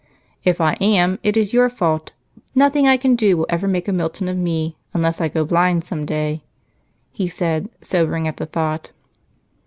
"If I am, it is your fault. Nothing I can do will ever make a Milton of me, unless I go blind someday," he said, sobering at the thought.